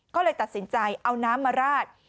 ก็เลยตัดสินใจเอาน้ำมาราด